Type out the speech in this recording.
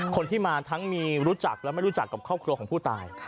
คนที่มาทั้งมีรู้จักและไม่รู้จักกับครอบครัวของผู้ตาย